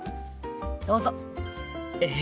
どうぞ！え？